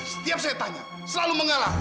setiap saya tanya selalu mengalah